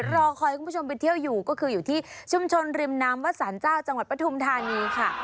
รอคอยคุณผู้ชมไปเที่ยวอยู่ก็คืออยู่ที่ชุมชนริมน้ำวัดสารเจ้าจังหวัดปฐุมธานีค่ะ